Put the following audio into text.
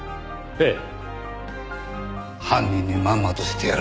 ええ。